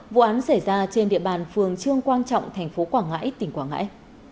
vụ án xảy ra trên địa bàn phường trương quang trọng tp quảng ngãi tỉnh quảng ngãi